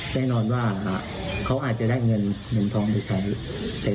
แน่นอนว่าเขาอาจจะได้เงินเงินทองไปใช้